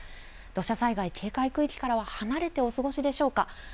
土砂災害警戒区域からは離れてお過ごしでしょうか。